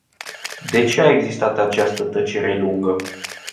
De ce a existat această tăcere lungă?